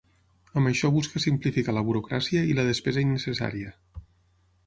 Amb això busca simplificar la burocràcia i la despesa innecessària.